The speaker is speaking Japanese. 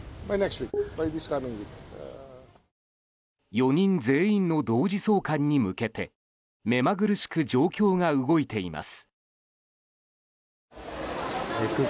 ４人全員の同時送還に向けて目まぐるしく状況が動いています。